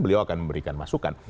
beliau akan memberikan masukan